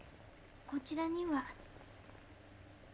こちらには。